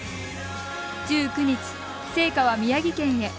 １９日、聖火は宮城県へ。